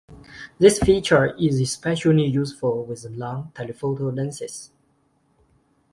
This feature is especially useful with long telephoto lenses.